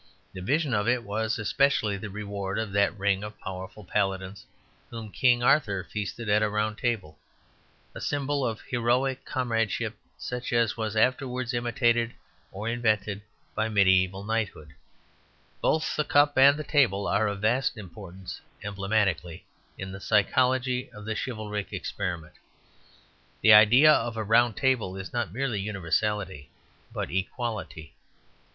The vision of it was especially the reward of that ring of powerful paladins whom King Arthur feasted at a Round Table, a symbol of heroic comradeship such as was afterwards imitated or invented by mediæval knighthood. Both the cup and the table are of vast importance emblematically in the psychology of the chivalric experiment. The idea of a round table is not merely universality but equality.